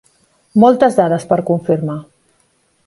Moltes dades per confirmar.